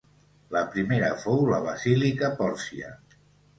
La primera fou la basílica Pòrcia.